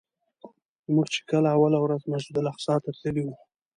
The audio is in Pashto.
موږ چې کله اوله ورځ مسجدالاقصی ته تللي وو.